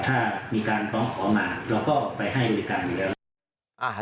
ถ้ามีการฟ้องขอมาเราก็ไปให้บริการอยู่แล้วนะครับ